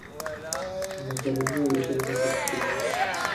مېکاروني او د چرګ غوښه په کې وه.